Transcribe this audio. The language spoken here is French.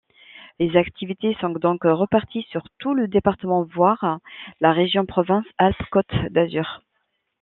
Les activités sont donc reparties sur tout le département voire la région Provence-Alpes-Côte d'Azur.